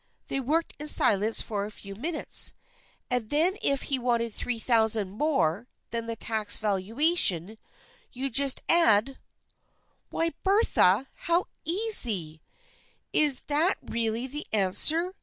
They worked in silence a few minutes. " And then if he wanted $3,000 more than the taxed valuation you just add — why, Bertha, how easy ! Is that really the answer